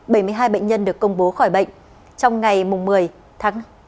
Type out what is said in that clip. bảy mươi hai bệnh nhân được công bố khỏi bệnh trong ngày một mươi tháng